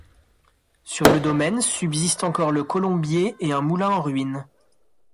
Sur le domaine, subsistent encore le colombier et un moulin en ruine.